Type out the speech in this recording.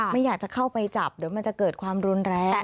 ไม่อยากจะเข้าไปจับเดี๋ยวมันจะเกิดความรุนแรง